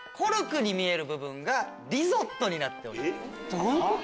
どういうこと？